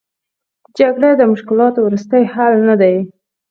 جګړه د مشکلاتو وروستۍ حل نه دی.